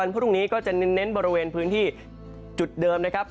พรุ่งนี้ก็จะเน้นบริเวณพื้นที่จุดเดิมนะครับ